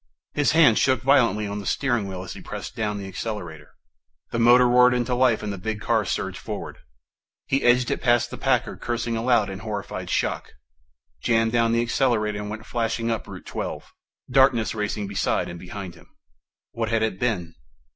His hands shook violently on the steering wheel as he pressed down the accelerator. The motor roared into life and the big car surged forward. He edged it past the Packard, cursing aloud in horrified shock, jammed down the accelerator and went flashing up Route Twelve, darkness racing beside and behind him. _What had it been?